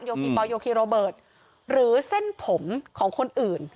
คีปอลโยคีโรเบิร์ตหรือเส้นผมของคนอื่น